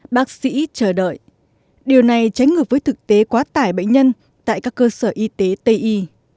bác sĩ chờ đợi điều này tránh ngược với thực tế quá tải bệnh nhân tại các cơ sở y tế tây y